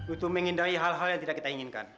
untuk menghindari hal hal yang tidak kita inginkan